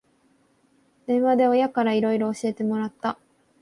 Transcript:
電話で親からいろいろ教えてもらった